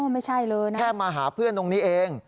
ไม่ใช่เลยนะแค่มาหาเพื่อนตรงนี้เอง